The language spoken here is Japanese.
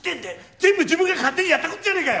全部自分が勝手にやったことじゃねぇかよ！